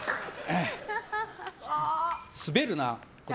滑るな、これ。